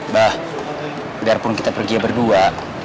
bah biarpun kita pergi berdua